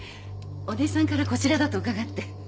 お弟子さんからこちらだと伺って。